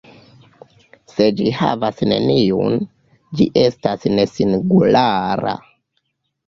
Se ĝi havas neniun, ĝi estas "ne-singulara".